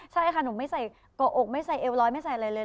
ใช่ค่ะหนูไม่ใส่เกาะอกไม่ใส่เอวร้อยไม่ใส่อะไรเลย